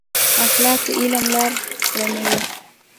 اخلاق د علم لار رڼوي.